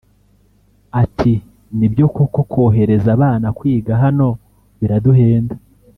Ati“ni byo koko kohereza abana kwiga hano biraduhenda